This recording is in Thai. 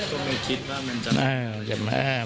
ก็ไม่คิดว่ามันจะ